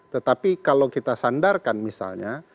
tetapi kalau kita sandarkan misalnya